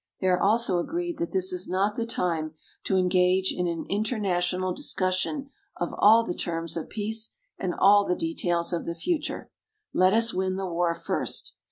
They are also agreed that this is not the time to engage in an international discussion of all the terms of peace and all the details of the future. Let us win the war first.